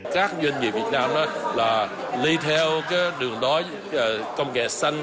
các doanh nghiệp việt nam lấy theo đường đói công nghệ xanh